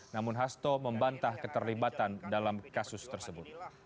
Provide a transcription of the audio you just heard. namun hasto membantah keterlibatan dalam kasus tersebut